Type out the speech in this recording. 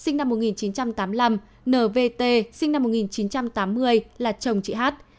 ntv tám mươi năm nvt sinh năm một nghìn chín trăm tám mươi là chồng chị hát